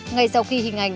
ngay sau khi hình ảnh